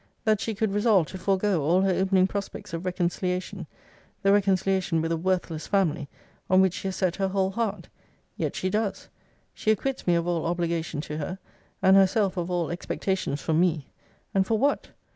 That she could resolve to forego all her opening prospects of reconciliation; the reconciliation with a worthless family, on which she has set her whole heart? Yet she does she acquits me of all obligation to her, and herself of all expectations from me And for what?